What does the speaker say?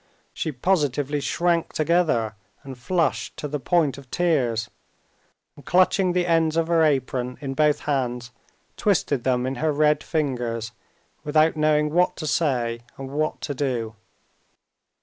She positively shrank together and flushed to the point of tears, and clutching the ends of her apron in both hands, twisted them in her red fingers without knowing what to say and what to do.